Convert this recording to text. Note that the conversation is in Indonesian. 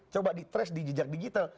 coba di trace di jejak digital